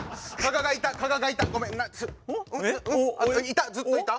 いたずっといた？